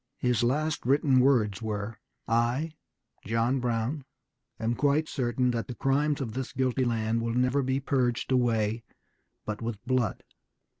His last written words were, "I, John Brown, am quite certain that the crimes of this guilty land will never be purged away but with blood.